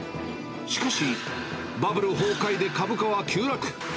しかしバブル崩壊で株価は急落。